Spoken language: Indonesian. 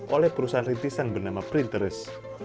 oleh perusahaan rintisan bernama printerest